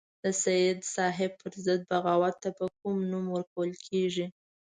د سید صاحب پر ضد بغاوت ته به کوم نوم ورکول کېږي.